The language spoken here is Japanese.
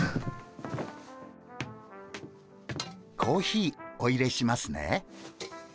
コーヒーおいれしますね。